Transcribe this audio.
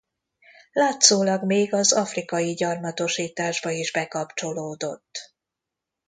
Látszólag még az afrikai gyarmatosításba is bekapcsolódott.